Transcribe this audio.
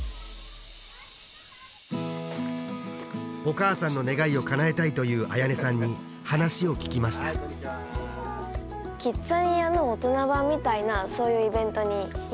お母さんの願いをかなえたいというあやねさんに話を聞きましたキッザニアの大人版みたいなそういうイベントに行かせてあげたいなって。